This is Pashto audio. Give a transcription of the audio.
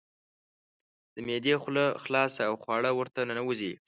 د معدې خوله خلاصه او خواړه ورته ننوزي.